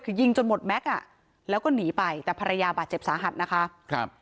คือยิงจนหมดแม็กซ์อ่ะแล้วก็หนีไปแต่ภรรยาบาดเจ็บสาหัสนะคะครับ